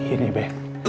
ya udah be